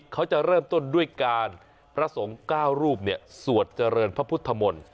เขาจะเริ่มต้นด้วยการพระสงฆ์๙รูปสวดเจริญพระพุทธมนตร์